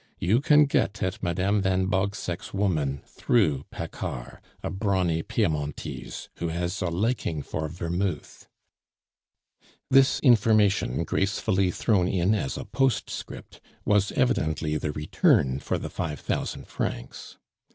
You can get at Madame van Bogseck's woman through Paccard, a brawny Piemontese, who has a liking for vermouth." This information, gracefully thrown in as a postscript, was evidently the return for the five thousand francs.